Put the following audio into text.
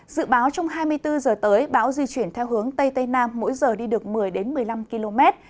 dự báo trong hai mươi bốn h tới bão di chuyển theo hướng tây tây nam mỗi giờ đi được một mươi một mươi năm km